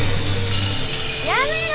やめろ！